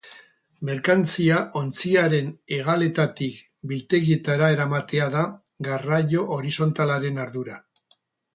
Merkantzia ontziaren hegaletatik biltegietara eramatea da garraio horizontalaren ardura.